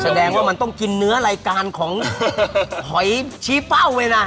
แสดงว่ามันต้องกินเนื้อรายการของหอยชี้เป้าไว้นะ